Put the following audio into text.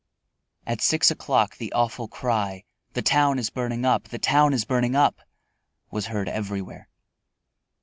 At six o'clock the awful cry, "The town is burning up, the town is burning up!" was heard everywhere.